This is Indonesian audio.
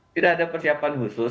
tidak ada persiapan khusus